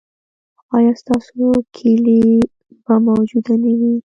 ایا ستاسو کیلي به موجوده نه وي؟